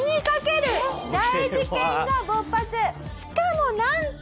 しかもなんと。